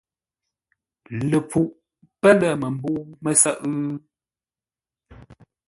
Ləpfuʼ pə́ lə̂ məmbə̂u mə́sə́ʼə́?